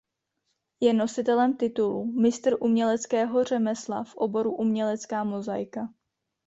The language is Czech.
Je nositelem titulu "Mistr uměleckého řemesla v oboru umělecká mozaika".